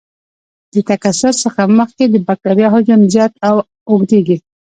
د تکثر څخه مخکې د بکټریا حجم زیات او اوږدیږي.